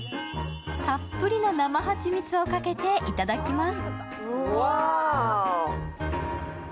たっぷりの生蜂蜜をかけていただきます。